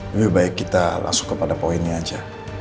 lebih baik kita langsung kepada poinnya aja